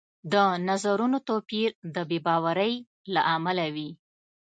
د نظرونو توپیر د بې باورۍ له امله وي